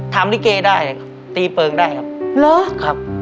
ทำลิเกย์ได้ตีเปิงได้ครับ